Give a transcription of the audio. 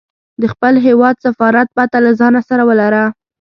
د خپل هیواد سفارت پته له ځانه سره ولره.